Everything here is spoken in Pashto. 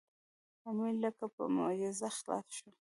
امیر لکه په معجزه خلاص شو.